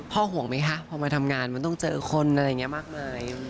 ห่วงไหมคะพอมาทำงานมันต้องเจอคนอะไรอย่างนี้มากมาย